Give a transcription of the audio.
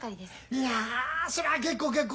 いやそら結構結構。